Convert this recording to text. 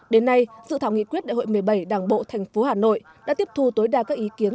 đến nay dự thảo nghị quyết đại hội một mươi bảy đảng bộ thành phố hà nội đã tiếp thu tối đa các ý kiến